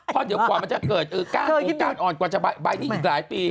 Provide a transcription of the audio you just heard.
เพราะเดี๋ยวกว่ามันจะเกิดก้านก้านอ่อนกว่าจะใบนี้อีกหลายปี